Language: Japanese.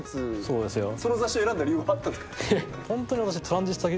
その雑誌を選んだ理由はあったんですか？